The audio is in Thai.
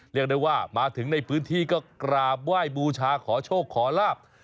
เรียกได้ว่ามาถึงในพื้นที่ก็กราบไหว้บูชาขอโชคขอลาบ